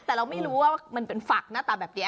แต่เราไม่รู้ว่ามันเป็นฝักหน้าตาแบบนี้